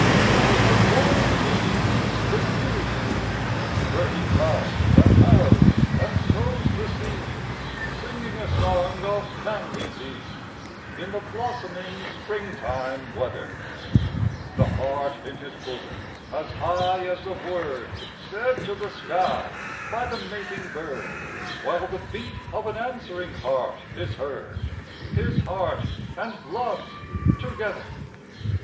Oh, the morning meads, the dewy meads, Where he ploughs and harrows and sows the seeds, Singing a song of manly deeds, In the blossoming springtime weather; The heart in his bosom as high as the word Said to the sky by the mating bird, While the beat of an answering heart is heard, His heart and love's together.